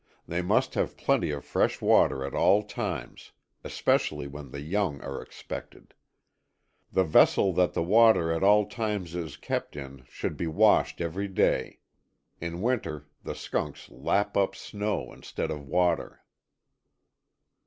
They must have plenty of fresh water at all times; especially when the young are expected. The vessel that the water at all times is kept in should be washed every day. In winter the skunks lap up snow instead of water.